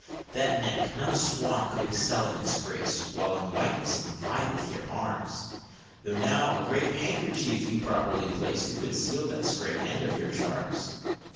That neck, not a swan could excel it in grace, While in whiteness it vied with your arms; Though now a grave 'kerchief you properly place, To conceal that scrag end of your charms!